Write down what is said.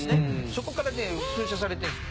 そこからね噴射されてるんです。